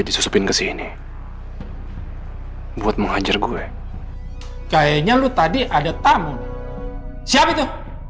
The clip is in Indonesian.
disusupin ke sini buat menghajar gue kayaknya lu tadi ada tamu siap itu